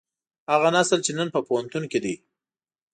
هغه نسل چې نن په پوهنتون کې دی.